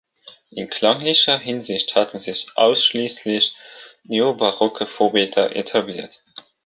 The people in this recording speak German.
In klanglicher Hinsicht hatten sich ausschließlich neobarocke Vorbilder etabliert.